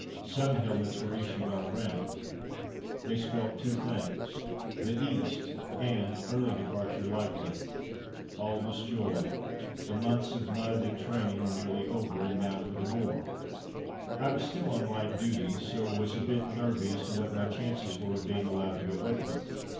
Sun helmets were issued all round. They spelt two things: The East! and early departure likely! All was joy. The months of mud and training were nearly over, and now for the war! I was still on ''light duty/' so was a bit nervy as to what my chances were of being allowed to go with them.